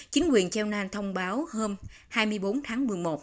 chính quyền chelan thông báo hôm hai mươi bốn tháng một mươi một